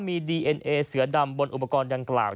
มีดีเอ็นเอเสือดำบนอุปกรณ์ดังกล่าว